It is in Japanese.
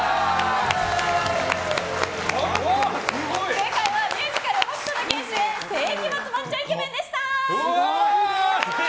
正解はミュージカル「北斗の拳」主演世紀末マッチョイケメンでした！